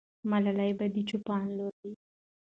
ملالۍ به د چوپان لور وي.